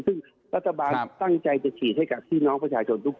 ซึ่งรัฐบาลตั้งใจจะฉีดให้กับพี่น้องประชาชนทุกคน